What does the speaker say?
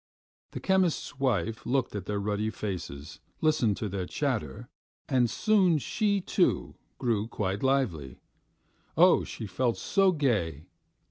The chemist's wife looked at their ruddy faces, listened to their chatter, and soon she, too, grew quite lively. Oh, she felt so gay!